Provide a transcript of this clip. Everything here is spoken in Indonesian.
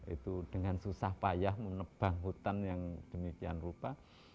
itu dengan susah payah menebang hutan yang demikian rupa